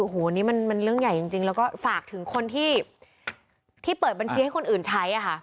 โอ้โหนี่มันเรื่องใหญ่จริงแล้วก็ฝากถึงคนที่เปิดบัญชีให้คนอื่นใช้ค่ะ